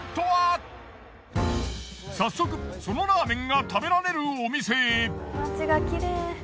早速そのラーメンが食べられるお店へ。